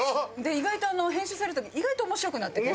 意外と編集されると意外と面白くなっててね。